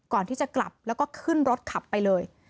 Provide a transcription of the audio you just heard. ก่อนที่จะกลับแล้วก็ขึ้นรถขับไปเลย